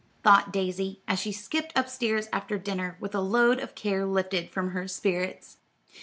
thought Daisy, as she skipped up stairs after dinner, with a load of care lifted from her spirits.